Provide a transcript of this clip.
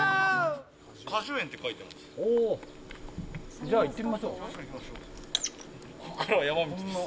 じゃあ行ってみましょう。